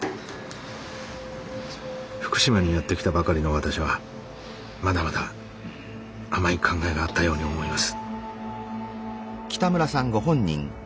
福島にやって来たばかりの私はまだまだ甘い考えがあったように思います。